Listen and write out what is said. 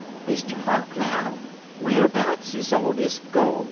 "Mr. Hawk 'low, 'Whar'bouts is all dis gol'?'